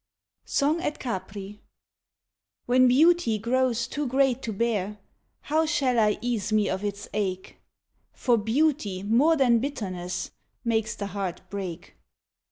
Song at Capri When beauty grows too great to bear How shall I ease me of its ache, For beauty more than bitterness Makes the heart break.